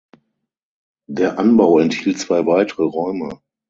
Der Anbau enthielt zwei weitere Räume.